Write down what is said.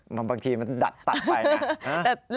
บางทีมันดัดตัดไปนะ